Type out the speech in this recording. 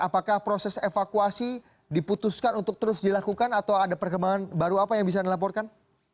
apakah proses evakuasi diputuskan untuk terus dilakukan atau ada perkembangan baru apa yang bisa dilaporkan